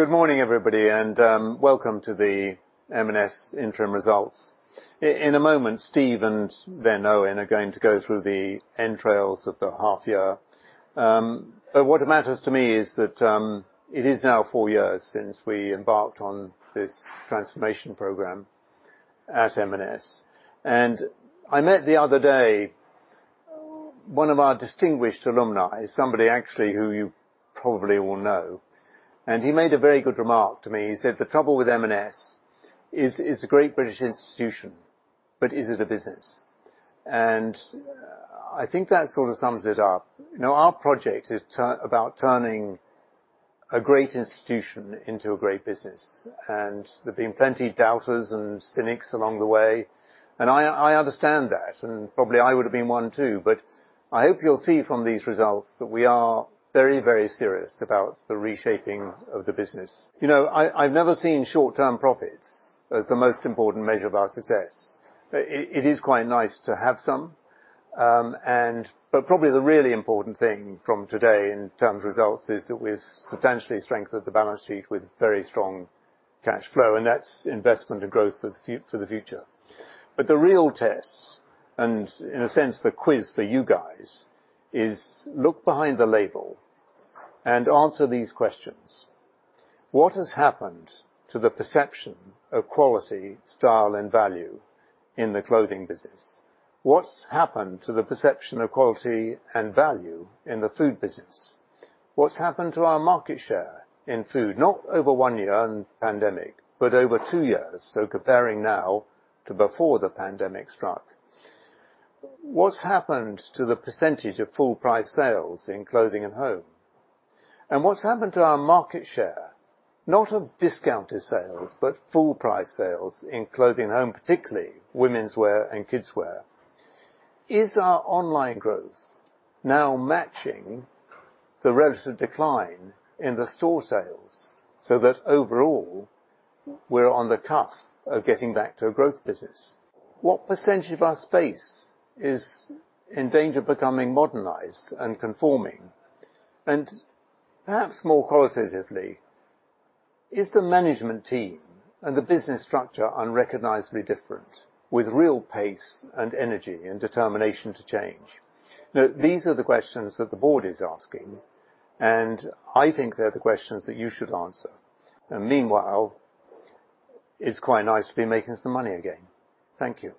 Good morning, everybody, and welcome to the M&S Interim Results. In a moment, Steve and then Eoin are going to go through the entrails of the half year. But what matters to me is that it is now four years since we embarked on this transformation program at M&S. And, I met the other day one of our distinguished alumni, somebody actually who you probably all know, and he made a very good remark to me. He said, "The trouble with M&S is it's a great British institution, but is it a business?" And I think that sort of sums it up. You know, our project is about turning a great institution into a great business, and there have been plenty doubters and cynics along the way. And I understand that, and probably I would have been one too. But I hope you'll see from these results that we are very, very serious about the reshaping of the business. You know, I've never seen short-term profits as the most important measure of our success. It is quite nice to have some. Probably the really important thing from today in terms of results is that we've substantially strengthened the balance sheet with very strong cash flow, and that's investment and growth for the future. But the real test, and in a sense, the quiz for you guys, is look behind the label and answer these questions. What has happened to the perception of Quality, Style and Value in the clothing business? What's happened to the perception of Quality and Value in the Food Business? What's happened to our Market Share in Food, not over one year and pandemic, but over two years, so comparing now to before the pandemic struck? What's happened to the percentage of full price sales in Clothing & Home? And what's happened to our market share, not of discounted sales, but full price sales in Clothing & Home, particularly Womenswear and Kidswear? Is our online growth now matching the relative decline in the store sales so that overall we're on the cusp of getting back to a growth business? What percentage of our space is in danger of becoming modernized and conforming? And perhaps more qualitatively, is the management team and the business structure unrecognizably different with real pace and energy and determination to change? Now, these are the questions that the board is asking, and I think they're the questions that you should answer. And, meanwhile, it's quite nice to be making some money again. Thank you.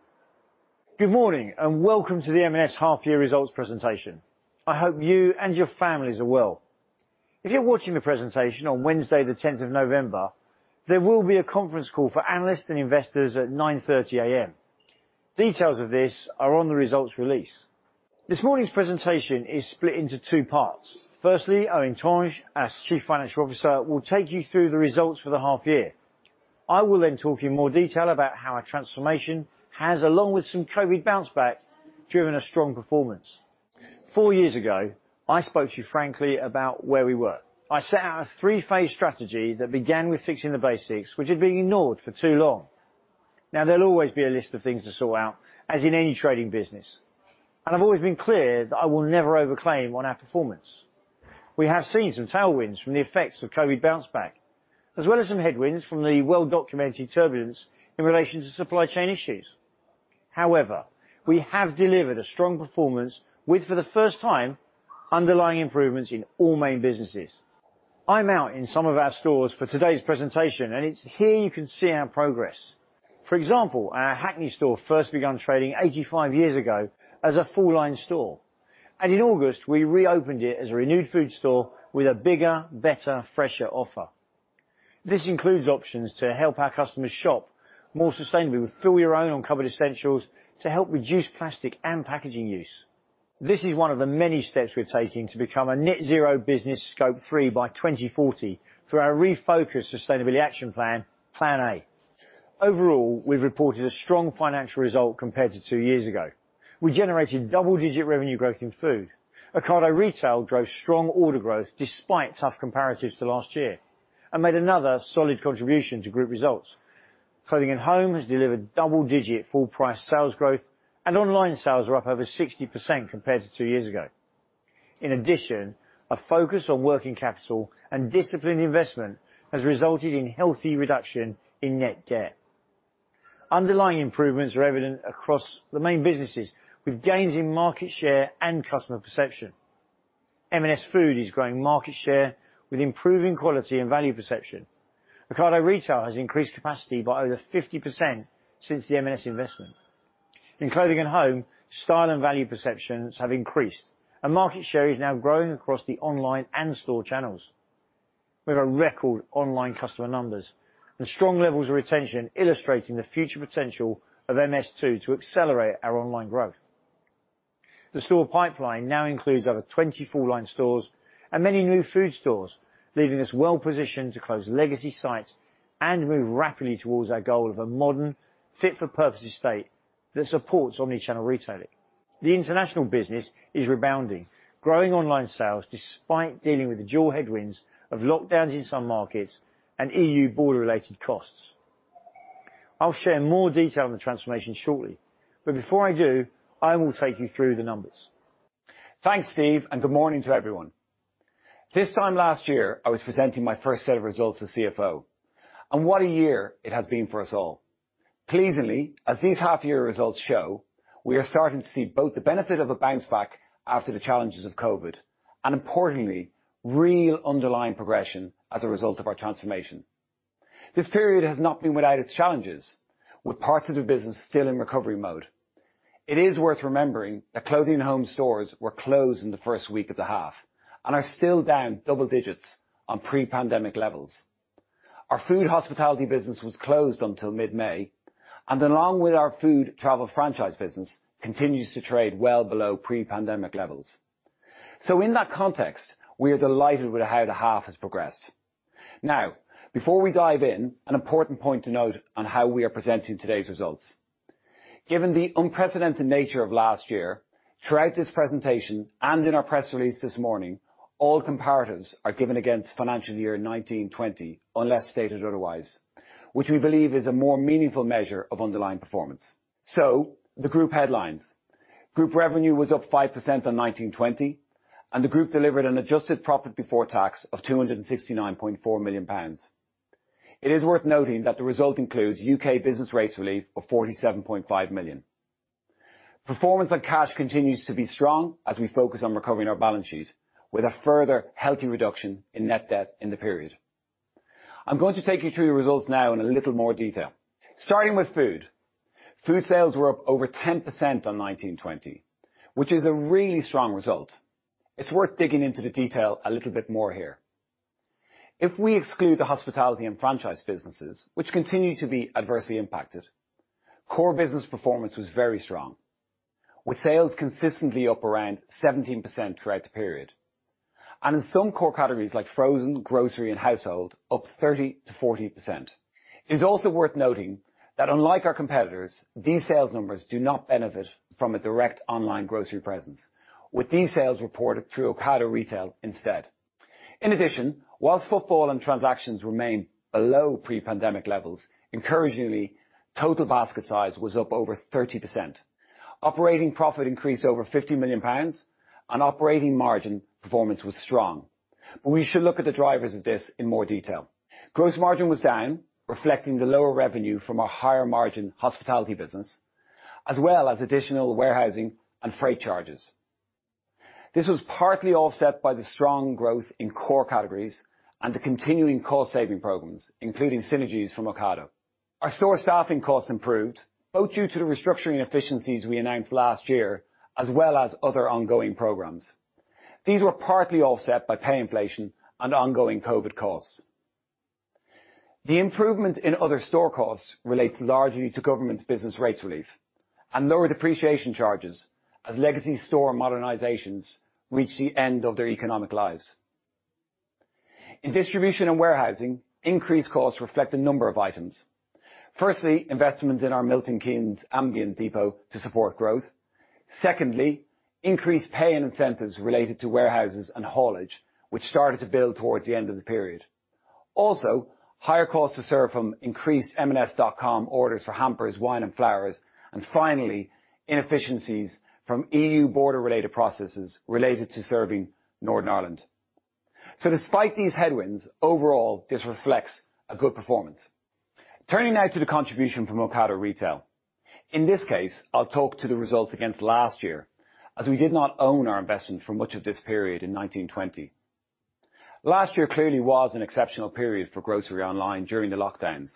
Good morning and welcome to the M&S half year results presentation. I hope you and your families are well. If you're watching the presentation on Wednesday the 10th of November, there will be a conference call for analysts and investors at 9:30 A.M. Details of this are on the results release. This morning's presentation is split into two parts. Firstly, Eoin Tonge, as Chief Financial Officer, will take you through the results for the half year. I will then talk in more detail about how our transformation has, along with some COVID bounce back, driven a strong performance. Four years ago, I spoke to you frankly about where we were. I set out a three-phase strategy that began with fixing the basics, which had been ignored for too long. Now, there'll always be a list of things to sort out, as in any trading business, and I've always been clear that I will never overclaim on our performance. We have seen some tailwinds from the effects of COVID bounce back, as well as some headwinds from the well-documented turbulence in relation to supply chain issues. However, we have delivered a strong performance with, for the first time, underlying improvements in all main businesses. I'm out in some of our stores for today's presentation, and it's here you can see our progress. For example, our Hackney store first begun trading 85 years ago as a full line store. And in August, we reopened it as a renewed food store with a bigger, better, fresher offer. This includes options to help our customers shop more sustainably with fill your own on cupboard essentials to help reduce plastic and packaging use. This is one of the many steps we're taking to become a net zero business, scope 3, by 2040 for our refocused sustainability action plan, Plan A. Overall, we've reported a strong financial result compared to two years ago. We generated double-digit revenue growth in food. Ocado Retail drove strong order growth despite tough comparatives to last year and made another solid contribution to group results. Clothing & Home has delivered double-digit full price sales growth, and online sales are up over 60% compared to two years ago. In addition, a focus on working capital and disciplined investment has resulted in healthy reduction in net debt. Underlying improvements are evident across the main businesses with gains in market share and customer perception. M&S Food is growing market share with improving quality and value perception. Ocado Retail has increased capacity by over 50% since the M&S investment. In Clothing & Home, Style and Value perceptions have increased, and market share is now growing across the online and store channels. We have record online customer numbers and strong levels of retention illustrating the future potential of MS2 to accelerate our online growth. The store pipeline now includes over 20 full line stores and many new food stores, leaving us well-positioned to close legacy sites and move rapidly towards our goal of a modern fit for purpose estate that supports omni-channel retailing. The international business is rebounding, growing online sales despite dealing with the dual headwinds of lockdowns in some markets and E.U. border related costs. I'll share more detail on the transformation shortly. But before I do, I will take you through the numbers. Thanks, Steve, and good morning to everyone. This time last year, I was presenting my first set of results as CFO, and what a year it has been for us all. Pleasingly, as these half-year results show, we are starting to see both the benefit of a bounce back after the challenges of COVID, and importantly, real underlying progression as a result of our transformation. This period has not been without its challenges, with parts of the business still in recovery mode. It is worth remembering that Clothing & Home stores were closed in the first week of the half, and are still down double digits on pre-pandemic levels. Our Food Hospitality business was closed until mid-May, and along with our Food Travel Franchise business, continues to trade well below pre-pandemic levels. In that context, we are delighted with how the half has progressed. Now, before we dive in, an important point to note on how we are presenting today's results. Given the unprecedented nature of last year, throughout this presentation and in our press release this morning, all comparatives are given against financial year 2019-2020 unless stated otherwise, which we believe is a more meaningful measure of underlying performance. So, The Group Headlines. Group revenue was up 5% on 2019-2020, and the group delivered an adjusted profit before tax of 269.4 million pounds. It is worth noting that the result includes U.K. business rates relief of 47.5 million. Performance on cash continues to be strong as we focus on recovering our balance sheet with a further healthy reduction in net debt in the period. I'm going to take you through the results now in a little more detail. Starting with Food. Food sales were up over 10% on 2019-2020, which is a really strong result. It's worth digging into the detail a little bit more here. If we exclude the Hospitality & Franchise businesses, which continue to be adversely impacted, core business performance was very strong, with sales consistently up around 17% throughout the period, and in some core categories like frozen, grocery, and household, up 30%-40%. It is also worth noting that unlike our competitors, these sales numbers do not benefit from a direct online grocery presence. With these sales reported through Ocado Retail instead. In addition, while footfall and transactions remain below pre-pandemic levels, encouragingly, total basket size was up over 30%. Operating profit increased over 50 million pounds and operating margin performance was strong. We should look at the drivers of this in more detail. Gross margin was down, reflecting the lower revenue from our higher margin hospitality business, as well as additional warehousing and freight charges. This was partly offset by the strong growth in core categories and the continuing cost-saving programs, including synergies from Ocado. Our store staffing costs improved, both due to the restructuring efficiencies we announced last year, as well as other ongoing programs. These were partly offset by pay inflation and ongoing COVID costs. The improvement in other store costs relates largely to government business rates relief and lower depreciation charges as legacy store modernizations reach the end of their economic lives. In distribution and warehousing, increased costs reflect a number of items. Firstly, investments in our Milton Keynes ambient depot to support growth. Secondly, increased pay and incentives related to warehouses and haulage, which started to build towards the end of the period. Also, higher costs to serve from increased marksandspencer.com orders for hampers, wine and flowers, and finally, inefficiencies from EU border related processes related to serving Northern Ireland. So despite these headwinds, overall, this reflects a good performance. Turning now to the contribution from Ocado Retail. In this case, I'll talk to the results against last year as we did not own our investment for much of this period in 2019-2020. Last year clearly was an exceptional period for grocery online during the lockdowns,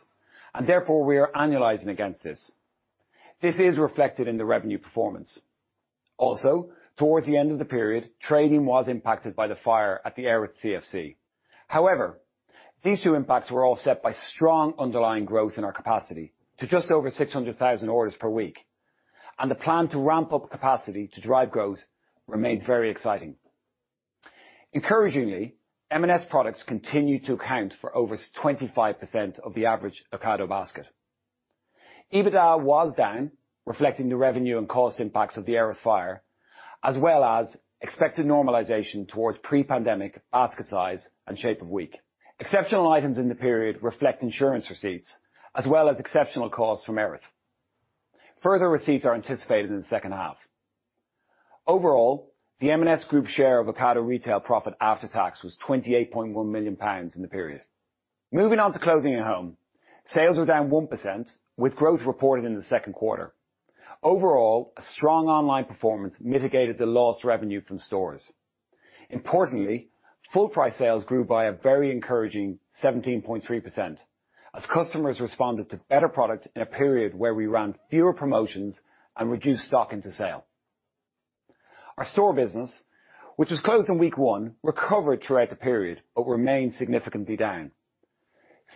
and therefore we are annualizing against this. This is reflected in the revenue performance. Also, towards the end of the period, trading was impacted by the fire at the Erith CFC. However, these two impacts were offset by strong underlying growth in our capacity to just over 600,000 orders per week. The plan to ramp up capacity to drive growth remains very exciting. Encouragingly, M&S products continue to account for over 25% of the average Ocado basket. EBITDA was down, reflecting the revenue and cost impacts of the Erith fire, as well as expected normalization towards pre-pandemic basket size and shape of week. Exceptional items in the period reflect insurance receipts as well as exceptional costs from Erith. Further receipts are anticipated in the second half. Overall, the M&S group share of Ocado Retail profit after tax was 28.1 million pounds in the period. Moving on to Clothing & Home. Sales were down 1% with growth reported in the second quarter. Overall, a strong online performance mitigated the lost revenue from stores. Importantly, full price sales grew by a very encouraging 17.3% as customers responded to better product in a period where we ran fewer promotions and reduced stock into sale. Our store business, which was closed in week one, recovered throughout the period but remained significantly down.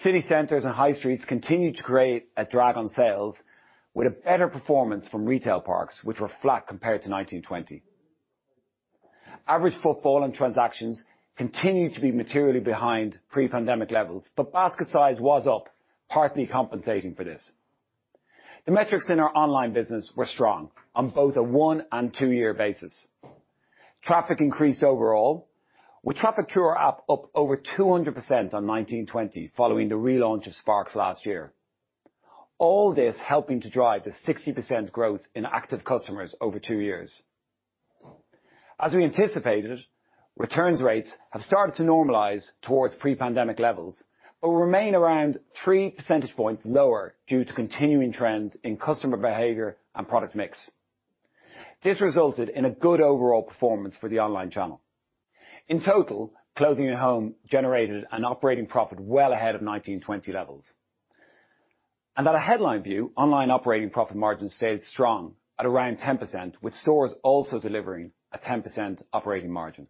City centers and high streets continued to create a drag on sales with a better performance from retail parks, which were flat compared to 2019-2020. Average footfall and transactions continued to be materially behind pre-pandemic levels, but basket size was up, partly compensating for this. The metrics in our online business were strong on both a one and two-year basis. Traffic increased overall, with traffic to our app up over 200% on 2019-2020, following the relaunch of Sparks last year. All this helping to drive the 60% growth in active customers over two years. As we anticipated, returns rates have started to normalize towards pre-pandemic levels, but will remain around 3 percentage points lower due to continuing trends in customer behavior and product mix. This resulted in a good overall performance for the online channel. In total, Clothing & Home generated an operating profit well ahead of 2019-2020 levels. At a headline view, online operating profit margins stayed strong at around 10%, with stores also delivering a 10% operating margin.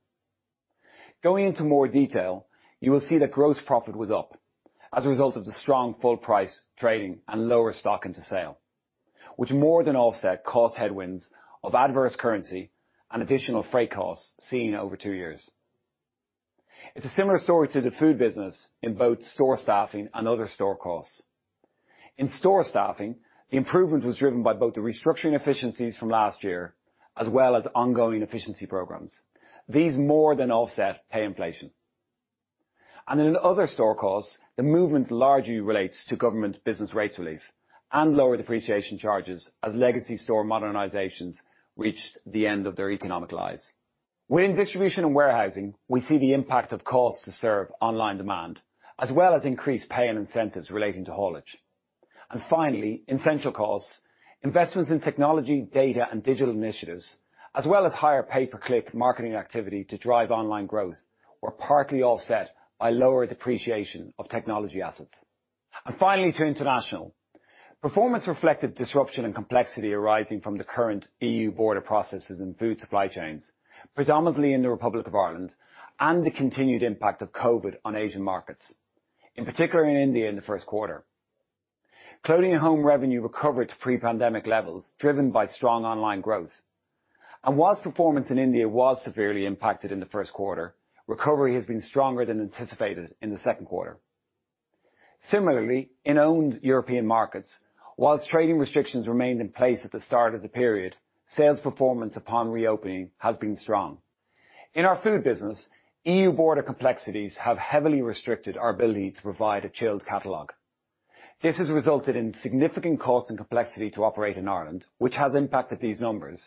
Going into more detail, you will see that gross profit was up as a result of the strong full price trading and lower stock into sale, which more than offset cost headwinds of adverse currency and additional freight costs seen over two years. It's a similar story to the food business in both store staffing and other store costs. In store staffing, the improvement was driven by both the restructuring efficiencies from last year as well as ongoing efficiency programs. These more than offset pay inflation. In other store costs, the movement largely relates to government business rates relief and lower depreciation charges as legacy store modernizations reach the end of their economic lives. Within distribution and warehousing, we see the impact of costs to serve online demand, as well as increased pay and incentives relating to haulage. And finally, in central costs, Investments in Technology, Data, and Digital Initiatives, as well as higher pay-per-click marketing activity to drive online growth, were partly offset by lower depreciation of technology assets. And, finally to International. Performance reflected disruption and complexity arising from the current EU border processes and food supply chains, predominantly in the Republic of Ireland, and the continued impact of COVID on Asian markets, in particular in India in the first quarter. Clothing & Home revenue recovered to pre-pandemic levels, driven by strong online growth. While performance in India was severely impacted in the first quarter, recovery has been stronger than anticipated in the second quarter. Similarly, in owned European markets, while trading restrictions remained in place at the start of the period, sales performance upon reopening has been strong. In our food business, EU border complexities have heavily restricted our ability to provide a chilled catalog. This has resulted in significant costs and complexity to operate in Ireland, which has impacted these numbers.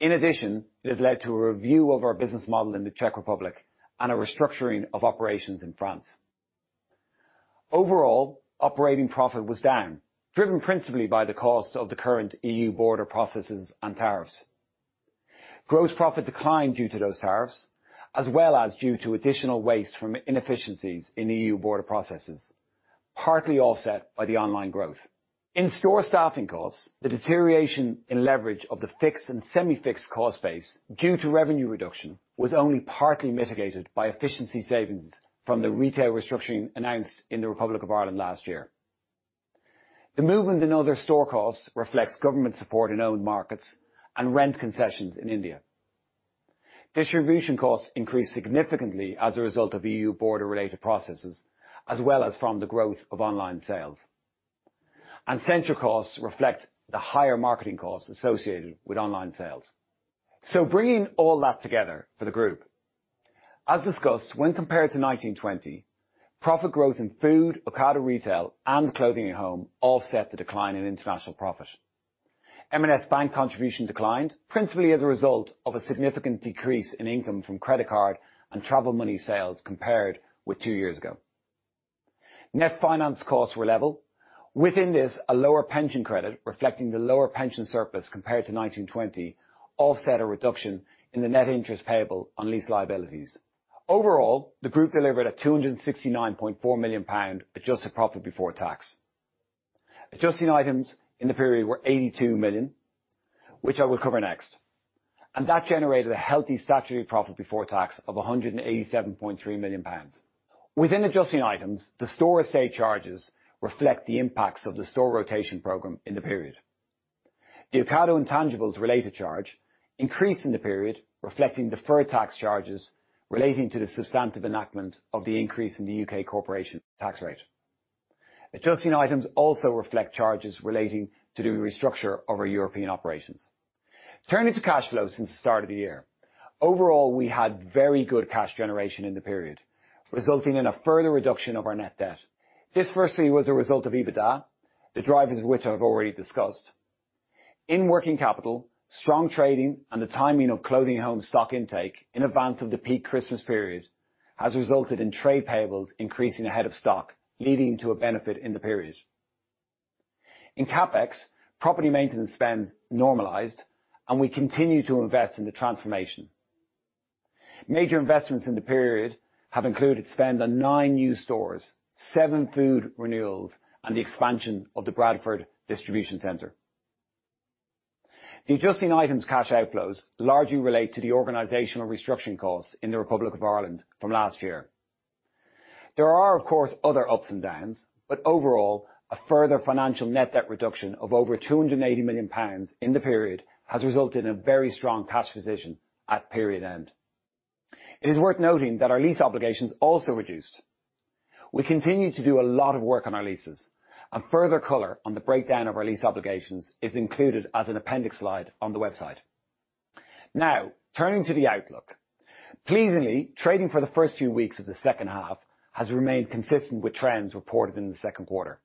In addition, it has led to a review of our business model in the Czech Republic and a restructuring of operations in France. Overall, operating profit was down, driven principally by the cost of the current EU border processes and tariffs. Gross profit declined due to those tariffs, as well as due to additional waste from inefficiencies in EU border processes, partly offset by the online growth. In-store staffing costs, the deterioration in leverage of the fixed and semi-fixed cost base due to revenue reduction was only partly mitigated by efficiency savings from the retail restructuring announced in the Republic of Ireland last year. The movement in other store costs reflects government support in owned markets and rent concessions in India. Distribution costs increased significantly as a result of EU border-related processes, as well as from the growth of online sales. Central costs reflect the higher marketing costs associated with online sales. Bringing all that together for the group. As discussed, when compared to 2019-2020, profit growth in Food, Ocado Retail and Clothing & Home offset the decline in international profit. M&S Bank contribution declined, principally as a result of a significant decrease in income from credit card and travel money sales compared with two years ago. Net finance costs were level. Within this, a lower pension credit reflecting the lower pension surplus compared to 2019-2020 offset a reduction in the net interest payable on lease liabilities. Overall, the group delivered 269.4 million pound adjusted profit before tax. Adjusting items in the period were 82 million, which I will cover next. That generated a healthy statutory profit before tax of 187.3 million pounds. Within adjusting items, the store estate charges reflect the impacts of the store rotation program in the period. The Ocado intangibles related charge increased in the period, reflecting deferred tax charges relating to the substantive enactment of the increase in the U.K. corporation tax rate. Adjusting items also reflect charges relating to the restructure of our European operations. Turning to cash flow since the start of the year. Overall, we had very good cash generation in the period, resulting in a further reduction of our net debt. This firstly was a result of EBITDA, the drivers of which I've already discussed. In working capital, strong trading and the timing of Clothing & Home stock intake in advance of the peak Christmas period has resulted in trade payables increasing ahead of stock, leading to a benefit in the period. In CapEx, property maintenance spend normalized, and we continue to invest in the transformation. Major investments in the period have included spend on nine new stores, seven food renewals, and the expansion of the Bradford distribution center. The adjusting items cash outflows largely relate to the organizational restructuring costs in the Republic of Ireland from last year. There are of course, other ups and downs, but overall, a further financial net debt reduction of over 280 million pounds in the period has resulted in a very strong cash position at period end. It is worth noting that our lease obligations also reduced. We continue to do a lot of work on our leases and further color on the breakdown of our lease obligations is included as an appendix slide on the website. Now, turning to the Outlook. Pleasingly, trading for the first few weeks of the second half has remained consistent with trends reported in the second quarter.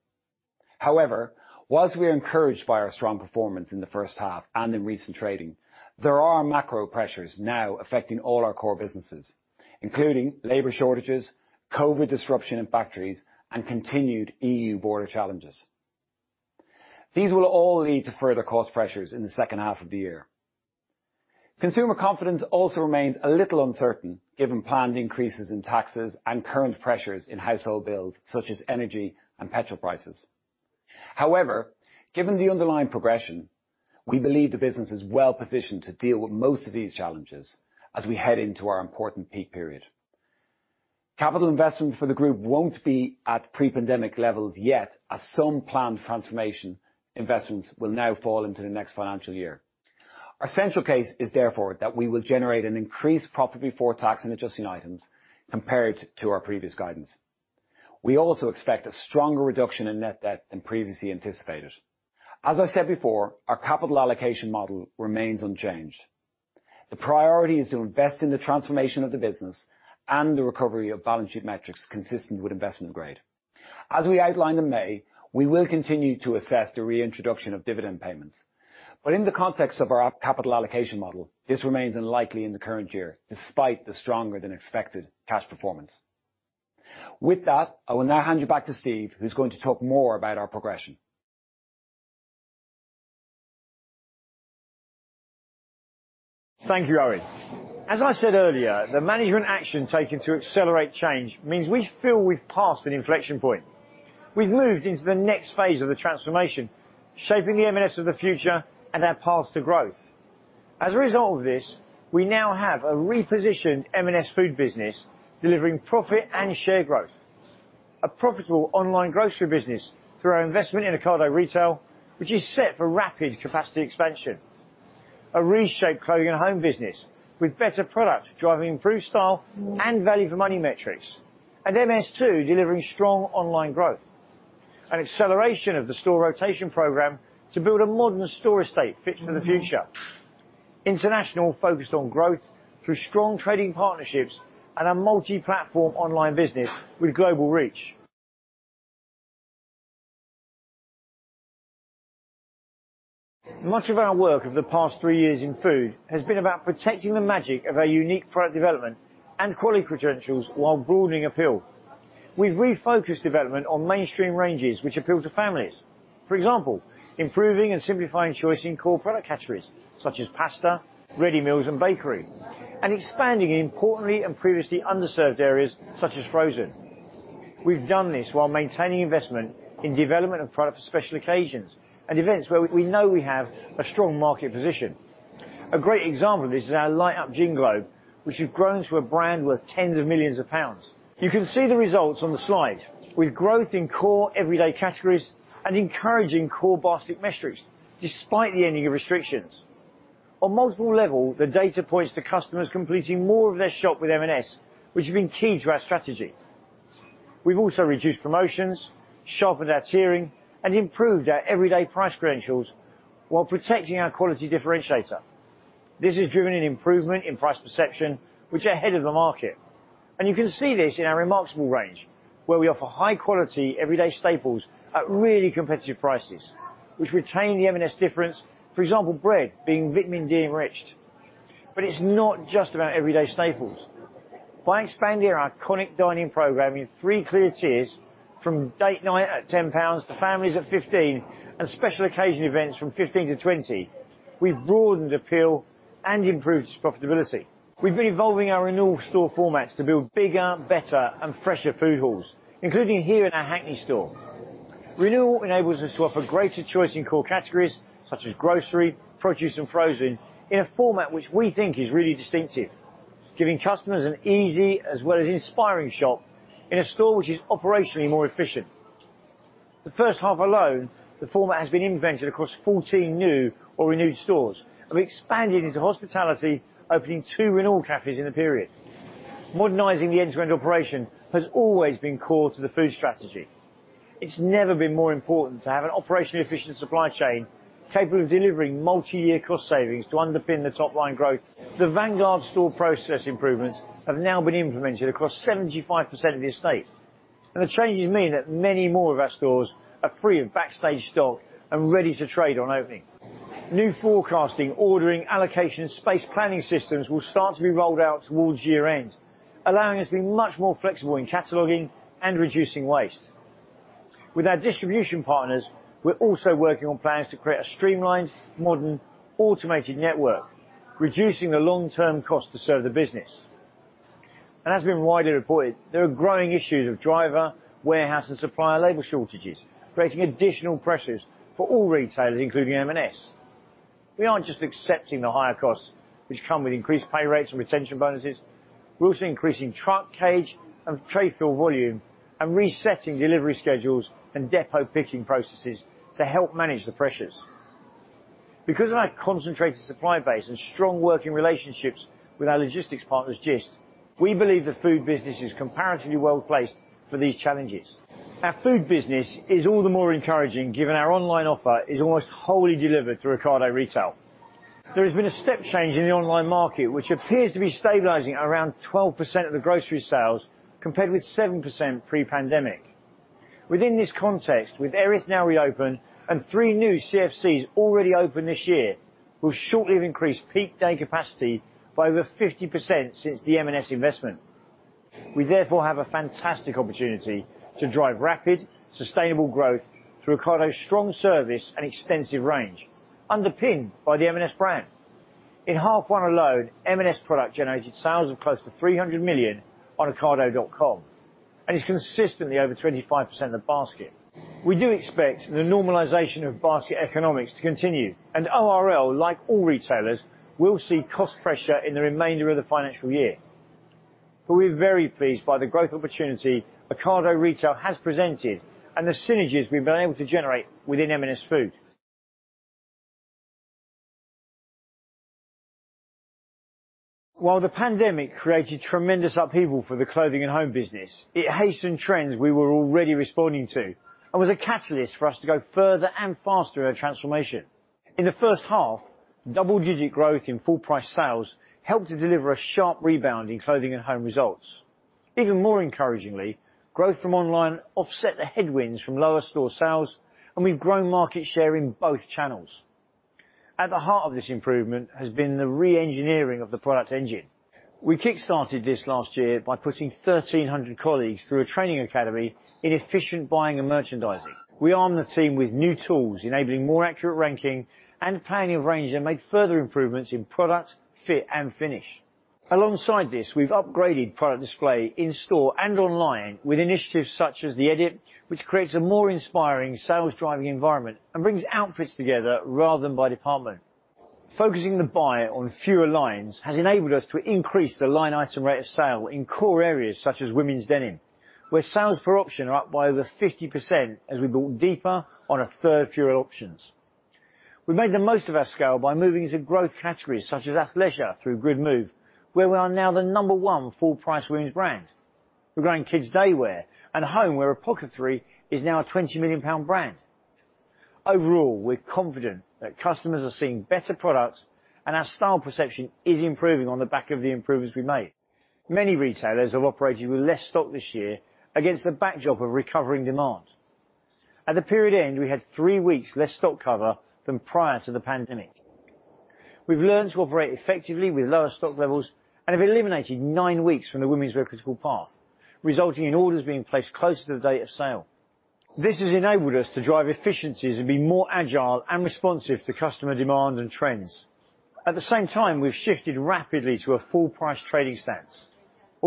However, while we are encouraged by our strong performance in the first half and in recent trading, there are macro pressures now affecting all our core businesses, including labor shortages, COVID disruption in factories, and continued EU border challenges. These will all lead to further cost pressures in the second half of the year. Consumer confidence also remains a little uncertain given planned increases in taxes and current pressures in household bills, such as energy and petrol prices. However, given the underlying progression, we believe the business is well-positioned to deal with most of these challenges as we head into our important peak period. Capital investment for the group won't be at pre-pandemic levels yet, as some planned transformation investments will now fall into the next financial year. Our central case is therefore that we will generate an increased profit before tax and adjusting items compared to our previous guidance. We also expect a stronger reduction in net debt than previously anticipated. As I said before, our capital allocation model remains unchanged. The priority is to invest in the transformation of the business and the recovery of balance sheet metrics consistent with investment grade. As we outlined in May, we will continue to assess the reintroduction of dividend payments, but in the context of our capital allocation model, this remains unlikely in the current year, despite the stronger than expected cash performance. With that, I will now hand you back to Steve, who's going to talk more about our progression. Thank you, Eoin. As I said earlier, the management action taken to accelerate change means we feel we've passed an inflection point. We've moved into the next phase of the transformation, shaping the M&S of the future and our path to growth. As a result of this, we now have a repositioned M&S Food business delivering profit and share growth. A profitable online grocery business through our investment in Ocado Retail, which is set for rapid capacity expansion. A reshaped Clothing & Home business with better product driving improved style and value for money metrics. MS2 delivering strong online growth. An acceleration of the store rotation program to build a modern store estate fit for the future. International focused on growth through strong trading partnerships and a multi-platform online business with global reach. Much of our work over the past three years in food has been about protecting the magic of our unique product development and quality credentials while broadening appeal. We've refocused development on mainstream ranges which appeal to families. For example, improving and simplifying choice in core product categories such as Pasta, Ready Meals, and Bakery, and expanding in importantly and previously underserved areas such as frozen. We've done this while maintaining investment in development of product for special occasions and events where we know we have a strong market position. A great example of this is our Light Up Gin Globe, which has grown to a brand worth tens of millions pounds. You can see the results on the slide with growth in core everyday categories and encouraging core basket metrics despite the ending of restrictions. On multiple levels, the data points to customers completing more of their shop with M&S, which has been key to our strategy. We've also reduced promotions, sharpened our tiering, and improved our everyday price credentials while protecting our quality differentiator. This has driven an improvement in price perception which are ahead of the market. You can see this in our Remarksable range, where we offer high-quality everyday staples at really competitive prices, which retain the M&S difference. For example, bread being vitamin D enriched. It's not just about everyday staples. By expanding our iconic dining program in three clear tiers from date night at 10 pounds to families at 15 and special occasion events from 15 to 20, we've broadened appeal and improved profitability. We've been evolving our renewal store formats to build bigger, better, and fresher food halls, including here in our Hackney store. Renewal enables us to offer greater choice in core categories such as grocery, produce, and frozen in a format which we think is really distinctive, giving customers an easy as well as inspiring shop in a store which is operationally more efficient. The first half alone, the format has been implemented across 14 new or renewed stores and we expanded into hospitality, opening two renewal cafes in the period. Modernizing the end-to-end operation has always been core to the food strategy. It's never been more important to have an operationally efficient supply chain capable of delivering multi-year cost savings to underpin the top-line growth. The Vangarde store process improvements have now been implemented across 75% of the estate and the changes mean that many more of our stores are free of backstage stock and ready to trade on opening. New forecasting, Ordering, Allocation, Space Planning systems will start to be rolled out towards year-end, allowing us to be much more flexible in cataloging and reducing waste. With our distribution partners, we're also working on plans to create a Streamlines, Modern, Automated Network, reducing the long-term cost to serve the business. As has been widely reported, there are growing issues of Driver, Warehouse, and Supplier Labor Shortages, creating additional pressures for all retailers, including M&S. We aren't just accepting the higher costs which come with increased pay rates and retention bonuses. We're also increasing Truck, Cage, and Trade Fill Volume and resetting delivery schedules and depot picking processes to help manage the pressures. Because of our concentrated supply base and strong working relationships with our logistics partners, Gist, we believe the food business is comparatively well-placed for these challenges. Our food business is all the more encouraging, given our online offer is almost wholly delivered through Ocado Retail. There has been a step change in the online market, which appears to be stabilizing at around 12% of the grocery sales, compared with 7% pre-pandemic. Within this context, with Erith now reopen and three new CFCs already open this year, we'll shortly have increased peak day capacity by over 50% since the M&S investment. We therefore have a fantastic opportunity to drive Rapid, Sustainable Growth through Ocado's strong service and extensive range, underpinned by the M&S brand. In half one alone, M&S product generated sales of close to 300 million on ocado.com, and is consistently over 25% of the basket. We do expect the normalization of basket economics to continue and ORL, like all retailers, will see cost pressure in the remainder of the financial year. We're very pleased by the growth opportunity Ocado Retail has presented, and the synergies we've been able to generate within M&S Food. While the pandemic created tremendous upheaval for the Clothing & Home business, it hastened trends we were already responding to and was a catalyst for us to go further and faster in our transformation. In the first half, double-digit growth in full price sales helped to deliver a sharp rebound in Clothing & Home results. Even more encouragingly, growth from online offset the headwinds from lower store sales, and we've grown market share in both channels. At the heart of this improvement has been the re-engineering of the product engine. We kick-started this last year by putting 1,300 colleagues through a training academy in efficient buying and merchandising. We armed the team with new tools enabling more accurate ranking and planning of range, and made further improvements in Product, Fit, and Finish. Alongside this, we've upgraded product display in store and online with initiatives such as The Edit, which creates a more inspiring sales-driving environment and brings outfits together rather than by department. Focusing the buyer on fewer lines has enabled us to increase the line item rate of sale in core areas such as women's denim, where sales per option are up by over 50% as we've built deeper on a third fewer options. We made the most of our scale by moving into growth categories such as athleisure through Goodmove, where we are now the number one full price women's brand. We're growing kids daywear and home, where Apothecary is now a 20 million pound brand. Overall, we're confident that customers are seeing better products and our style perception is improving on the back of the improvements we made. Many retailers have operated with less stock this year against the backdrop of recovering demand. At the period end, we had three weeks less stock cover than prior to the pandemic. We've learned to operate effectively with lower stock levels and have eliminated nine weeks from the women's path, resulting in orders being placed closer to the date of sale. This has enabled us to drive efficiencies and be more agile and responsive to customer demand and trends. At the same time, we've shifted rapidly to a full price trading stance.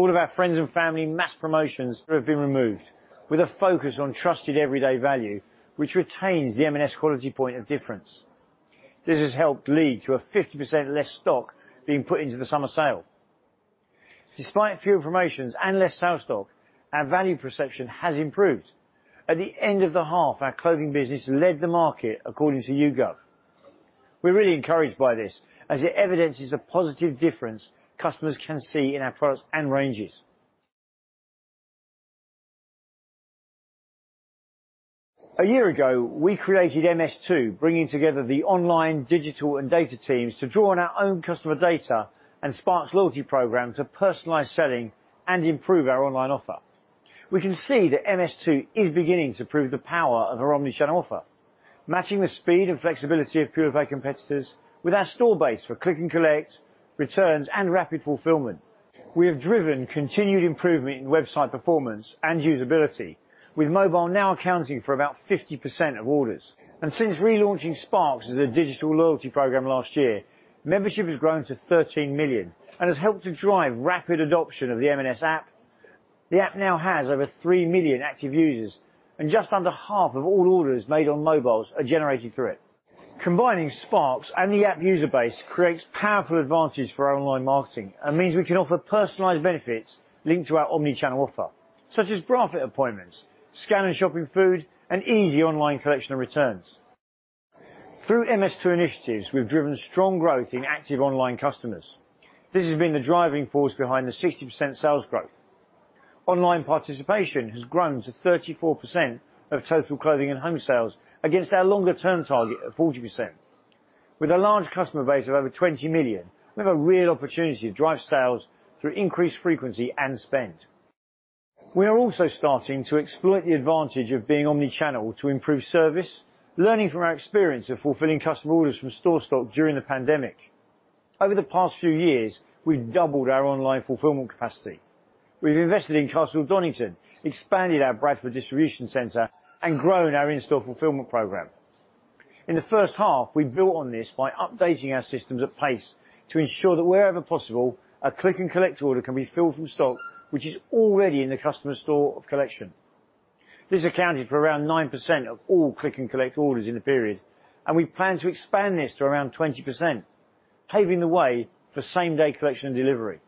All of our friends and family mass promotions have been removed with a focus on trusted everyday value, which retains the M&S quality point of difference. This has helped lead to 50% less stock being put into the summer sale. Despite fewer promotions and less sale stock, our value perception has improved. At the end of the half, our clothing business led the market according to YouGov. We're really encouraged by this, as it evidences a positive difference customers can see in our products and ranges. A year ago we created MS2, bringing together the online digital and data teams to draw on our own customer data and Sparks loyalty program to personalize selling and improve our online offer. We can see that MS2 is beginning to prove the power of our omnichannel offer, matching the speed and flexibility of pure play competitors with our store base for click and collect, returns, and rapid fulfillment. We have driven continued improvement in website performance and usability with mobile now accounting for about 50% of orders. Since relaunching Sparks as a digital loyalty program last year, membership has grown to 13 million and has helped to drive rapid adoption of the M&S app. The app now has over 3 million active users and just under half of all orders made on mobiles are generated through it. Combining Sparks and the app user base creates powerful advantages for our online marketing, and means we can offer personalized benefits linked to our omnichannel offer, such as bra fit appointments, Scan & Shop in food, and easy online collection and returns. Through MS2 initiatives, we've driven strong growth in active online customers. This has been the driving force behind the 60% sales growth. Online participation has grown to 34% of total Clothing & Home sales against our longer term target of 40%. With a large customer base of over 20 million, we have a real opportunity to drive sales through increased frequency and spend. We are also starting to exploit the advantage of being omnichannel to improve service, learning from our experience of fulfilling customer orders from store stock during the pandemic. Over the past few years, we've doubled our online fulfillment capacity. We've invested in Castle Donington, expanded our Bradford distribution center, and grown our in-store fulfillment program. In the first half, we built on this by updating our systems at pace to ensure that wherever possible, a click and collect order can be filled from stock which is already in the customer's store of collection. This accounted for around 9% of all click and collect orders in the period, and we plan to expand this to around 20%, paving the way for same-day collection and delivery.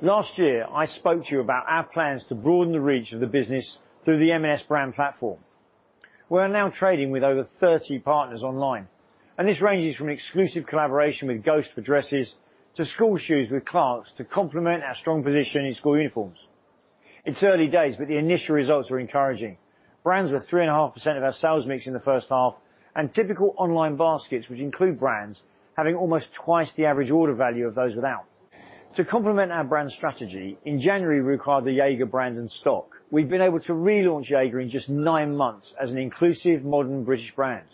Last year, I spoke to you about our plans to broaden the reach of the business through the M&S brand platform. We're now trading with over 30 partners online, and this ranges from exclusive collaboration with Ghost for dresses to school shoes with Clarks to complement our strong position in school uniforms. It's early days, but the initial results are encouraging. Brands were 3.5% of our sales mix in the first half, and typical online baskets, which include brands, having almost twice the average order value of those without. To complement our brand strategy, in January, we acquired the Jaeger brand in stock. We've been able to relaunch Jaeger in just nine months as an inclusive, modern British brand.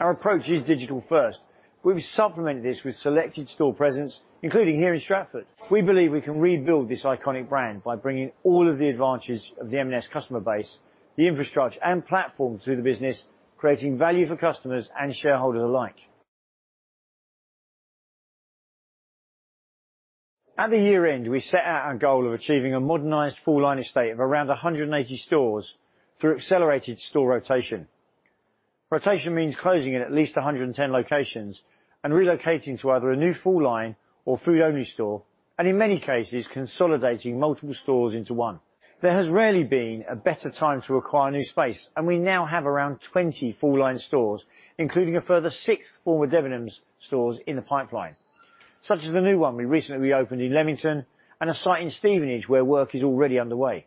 Our approach is digital first. We've supplemented this with selected store presence, including here in Stratford. We believe we can rebuild this iconic brand by bringing all of the advantages of the M&S customer base, the infrastructure and platform through the business, creating value for customers and shareholders alike. At the year-end, we set out our goal of achieving a modernized full-line estate of around 180 stores through accelerated store rotation. Rotation means closing in at least 110 locations and relocating to either a new full line or food-only store, and in many cases, consolidating multiple stores into one. There has rarely been a better time to acquire new space, and we now have around 20 full-line stores, including a further six former Debenhams stores in the pipeline, such as the new one we recently reopened in Leamington and a site in Stevenage where work is already underway.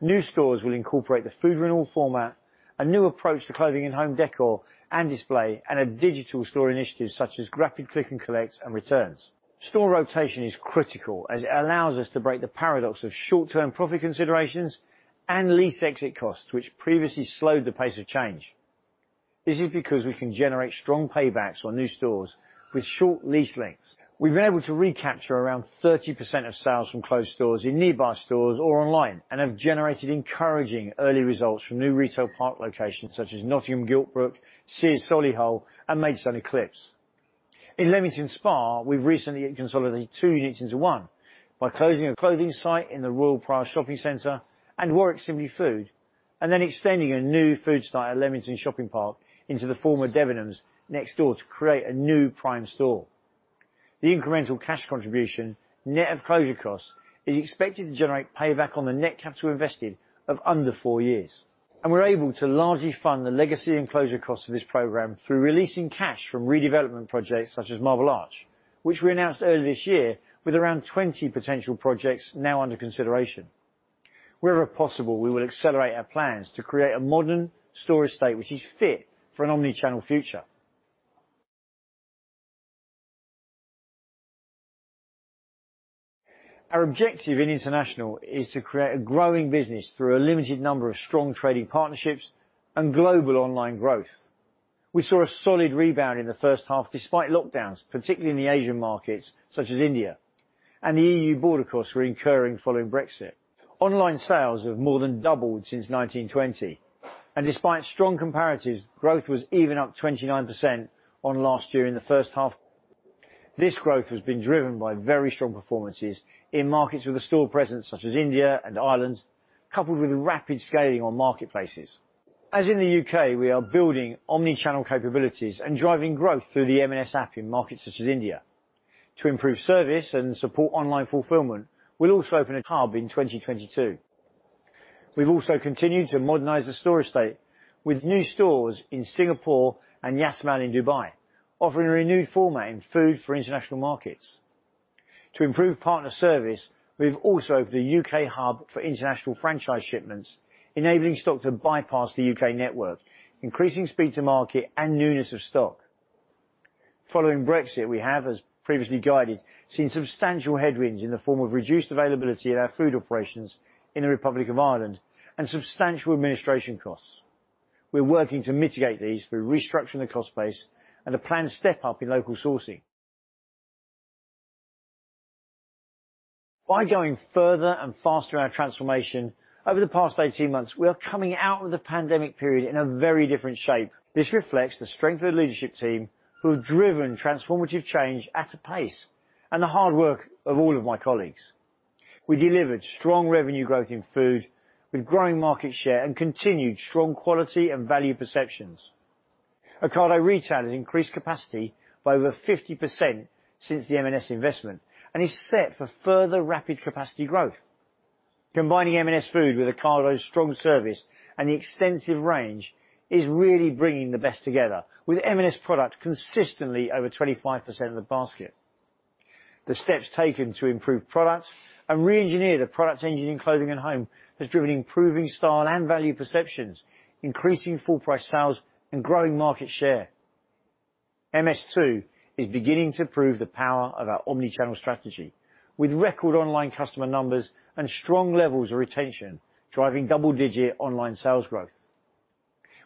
New stores will incorporate the food renewal format, a new approach to Clothing & Home decor and display, and a digital store initiative such as rapid click and collect and returns. Store rotation is critical as it allows us to break the paradox of short-term profit considerations and lease exit costs, which previously slowed the pace of change. This is because we can generate strong paybacks on new stores with short lease lengths. We've been able to recapture around 30% of sales from closed stores in nearby stores or online and have generated encouraging early results from new retail park locations such as Nottingham Giltbrook, Sears Solihull and Maidstone Eclipse. In Leamington Spa, we've recently consolidated two units into one by closing a clothing site in the Royal Priors shopping center and Warwick simply food, and then extending a new food site at Leamington Shopping Park into the former Debenhams next door to create a new prime store. The incremental cash contribution, net of closure costs, is expected to generate payback on the net capital invested of under four years. We're able to largely fund the legacy and closure costs of this program through releasing cash from redevelopment projects such as Marble Arch, which we announced early this year with around 20 potential projects now under consideration. Wherever possible, we will accelerate our plans to create a modern store estate which is fit for an omnichannel future. Our objective in international is to create a growing business through a limited number of strong trading partnerships and global online growth. We saw a solid rebound in the first half despite lockdowns, particularly in the Asian markets such as India, and the EU border costs we're incurring following Brexit. Online sales have more than doubled since 2019-2020, and despite strong comparatives, growth was even up 29% on last year in the first half. This growth has been driven by very strong performances in markets with a store presence such as India and Ireland, coupled with rapid scaling on marketplaces. As in the U.K., we are building omnichannel capabilities and driving growth through the M&S app in markets such as India. To improve service and support online fulfillment, we'll also open a hub in 2022. We've also continued to modernize the store estate with new stores in Singapore and Yas Mall in Dubai, offering a renewed format in food for international markets. To improve partner service, we've also opened a U.K. hub for international franchise shipments, enabling stock to bypass the U.K. network, increasing speed to market and newness of stock. Following Brexit, we have, as previously guided, seen substantial headwinds in the form of reduced availability at our food operations in the Republic of Ireland and substantial administration costs. We're working to mitigate these through restructuring the cost base and a planned step up in local sourcing. By going further and faster in our transformation over the past 18 months, we are coming out of the pandemic period in a very different shape. This reflects the strength of the leadership team who have driven transformative change at a pace and the hard work of all of my colleagues. We delivered strong revenue growth in Food with growing market share and continued strong quality and value perceptions. Ocado Retail has increased capacity by over 50% since the M&S investment and is set for further rapid capacity growth. Combining M&S Food with Ocado's strong service and the extensive range is really bringing the best together with M&S product consistently over 25% of the basket. The steps taken to improve products and reengineer the product engine in Clothing & Home has driven improving style and value perceptions, increasing full price sales, and growing market share. MS2 is beginning to prove the power of our omnichannel strategy with record online customer numbers and strong levels of retention, driving double-digit online sales growth.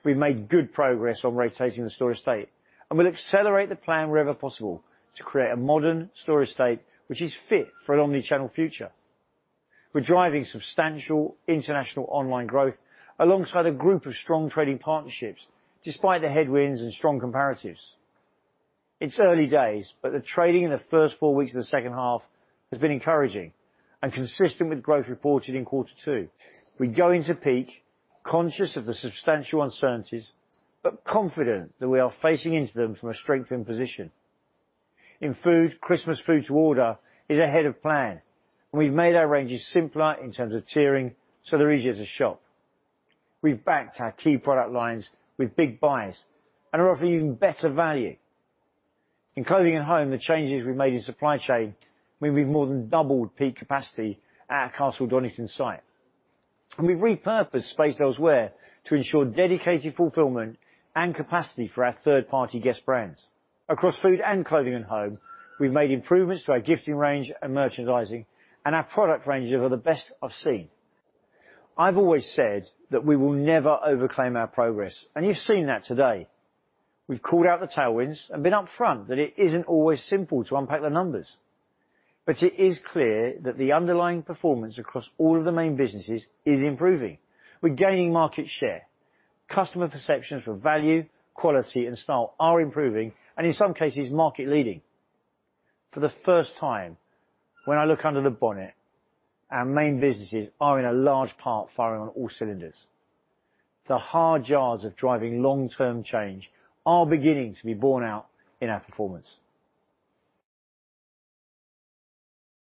We've made good progress on rotating the store estate and will accelerate the plan wherever possible to create a modern store estate which is fit for an omnichannel future. We're driving substantial international online growth alongside a group of strong trading partnerships despite the headwinds and strong comparatives. It's early days, but the trading in the first four weeks of the second half has been encouraging and consistent with growth reported in quarter two. We go into peak conscious of the substantial uncertainties, but confident that we are facing into them from a strengthened position. In Food, Christmas food to order is ahead of plan, and we've made our ranges simpler in terms of tiering, so they're easier to shop. We've backed our key product lines with big buys and are offering even better value. In Clothing & Home, the changes we've made in supply chain mean we've more than doubled peak capacity at our Castle Donington site. We've repurposed space elsewhere to ensure dedicated fulfillment and capacity for our third-party guest brands. Across Food and Clothing & Home, we've made improvements to our gifting range and merchandising, and our product ranges are the best I've seen. I've always said that we will never overclaim our progress, and you've seen that today. We've called out the tailwinds and been upfront that it isn't always simple to unpack the numbers. It is clear that the underlying performance across all of the main businesses is improving. We're gaining market share. Customer perceptions for value, quality and style are improving and, in some cases, market leading. For the first time, when I look under the bonnet, our main businesses are in a large part firing on all cylinders. The hard yards of driving long-term change are beginning to be borne out in our performance.